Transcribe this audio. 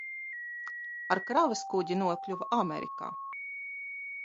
Ar kravas kuģi nokļuva Amerikā.